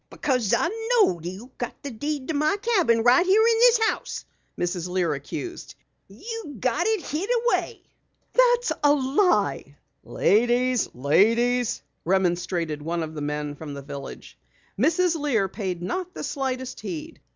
"Because I know you got the deed to my cabin right here in the house!" Mrs. Lear accused. "You've got it hid away!" "That's a lie!" "Ladies! Ladies!" remonstrated one of the men from the village. Mrs. Lear paid not the slightest heed.